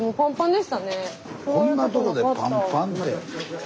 こんなとこでパンパンって。